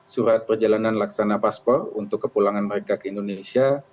surat perjalanan laksana paspor untuk kepulangan mereka ke indonesia